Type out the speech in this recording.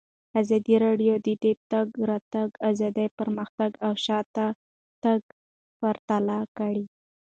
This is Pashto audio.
ازادي راډیو د د تګ راتګ ازادي پرمختګ او شاتګ پرتله کړی.